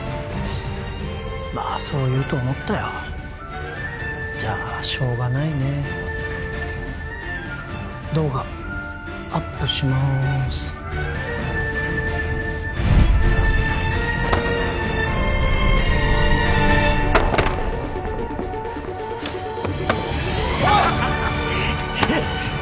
まあそう言うと思ったよじゃあしょうがないね動画アップしますハッハハハハハクッ！